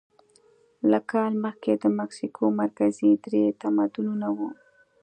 له کال مخکې د مکسیکو مرکزي درې تمدنونه وو.